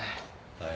はい。